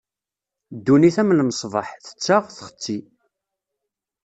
Ddunit am lmesbeḥ, tettaɣ, txessi.